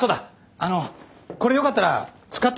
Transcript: あのこれよかったら使ってみて下さい。